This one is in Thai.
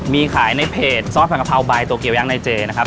มีขายในเพจซอสผัดกะเพราใบโตเกียวย้างในเจนะครับ